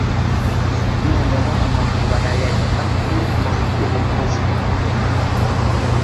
Noneho amavubi arayarika mu bikobokobo